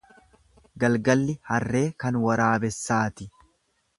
Galgalli harree kan waraabessaati.